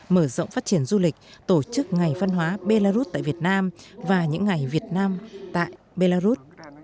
mở rộng phát triển du lịch tổ chức ngày văn hóa belarus tại việt nam và những ngày việt nam tại belarus